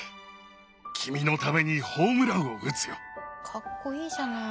かっこいいじゃない。